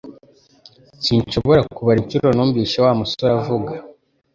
Sinshobora kubara inshuro numvise Wa musore avuga